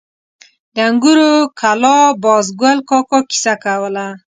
د انګورو کلا بازګل کاکا کیسه کوله.